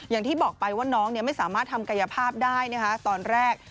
อย่างที่บอกไปว่าน้องไม่สามารถทำกายภาพได้ตอนแรก